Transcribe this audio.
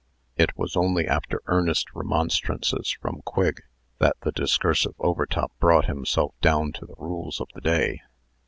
It was only after earnest remonstrances from Quigg, that the discursive Overtop brought himself down to the rules of the day.